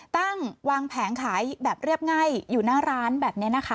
ตั้งวางแผงขายแบบเรียบง่ายอยู่หน้าร้านแบบนี้นะคะ